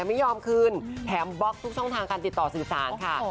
ไม่ยอมคืนแถมบล็อกทุกช่องทางการติดต่อสื่อสารค่ะ